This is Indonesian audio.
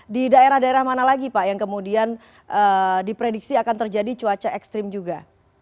di daerah daerah mana lagi pak yang kemudian diprediksi akan terjadi cuaca ekstrim juga